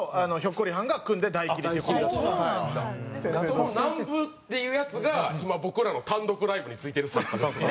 その南部っていうヤツが今僕らの単独ライブに付いてる作家ですね。